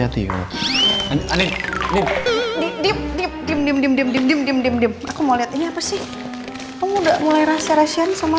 aku mau lihatnya apa sih udah mulai rahasiaan sama